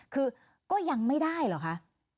คือก็ยังไม่ได้เหรอคะ